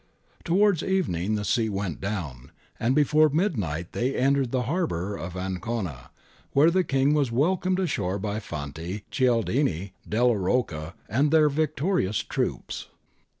Towards evening the sea went down, and before midnight they entered the harbour of Ancona, where the King was welcomed ashore by Fanti, Cialdini, Delia Rocca, and their victorious troops.